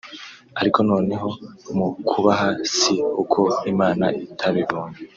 ariko noneho mu kuhaba si uko Imana itabibonye